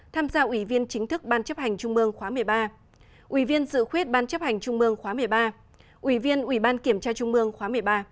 tham gia ủy viên chính thức ban chấp hành trung mương khóa một mươi ba